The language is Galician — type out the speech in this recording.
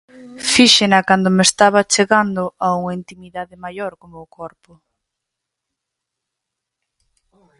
Fíxena cando me estaba achegando a unha intimidade maior co meu corpo.